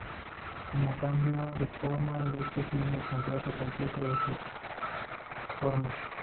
Como cambio de forma, Lupe tiene el control completo de su forma.